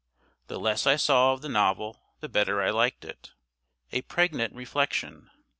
The less I saw of the novel, the better I liked it: a pregnant reflection.